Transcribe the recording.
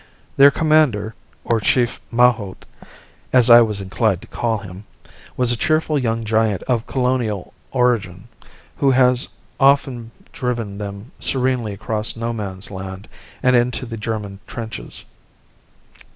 Their commander, or chief mahout as I was inclined to call him was a cheerful young giant of colonial origin, who has often driven them serenely across No Man's Land and into the German trenches.